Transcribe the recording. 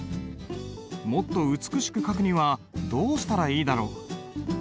もっと美しく書くにはどうしたらいいだろう？